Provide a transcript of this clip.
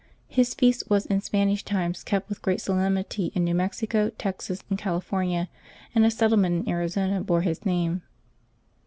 His feast was in Spanish times kept with great solemnity in New Mexico, Texas, and California, and a settlement in Arizona bore his name.